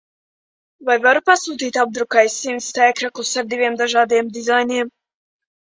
Vai varu pasūtīt apdrukai simts t-kreklus ar diviem dažādiem dizainiem.